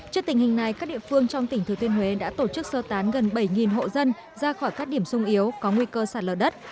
trước tình hình này các địa phương trong tỉnh thừa thiên huế đã tổ chức sơ tán gần bảy hộ dân ra khỏi các điểm sung yếu có nguy cơ sạt lở đất